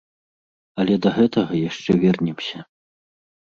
Але да гэтага яшчэ вернемся.